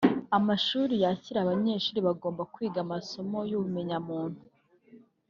Amashuri yakira abanyeshuri bagombaga kwiga amasomo y’ubumenyamuntu